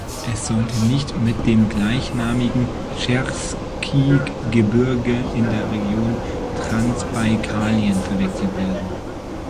Es sollte nicht mit dem gleichnamigen Tscherskigebirge in der Region Transbaikalien verwechselt werden.